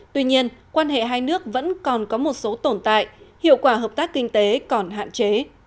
tuy nhiên quan hệ hai nước vẫn còn có một số tồn tại hiệu quả hợp tác kinh tế còn hạn chế